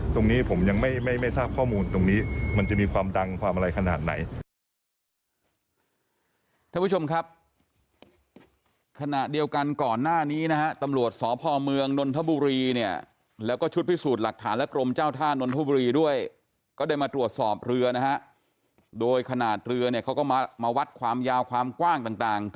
ตรงนี้ผมยังไม่ทราบข้อมูลตรงนี้มันจะมีความดังความอะไรขนาดไหน